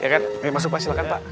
ya kan masuk pak silahkan pak